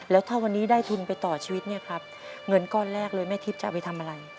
แล้วถ้าวันนี้ได้ทุนไปต่อชีวิตเนี่ยครับเงินก้อนแรกเลยแม่ทิพย์จะเอาไปทำอะไร